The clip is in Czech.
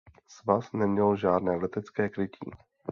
Svaz neměl žádné letecké krytí.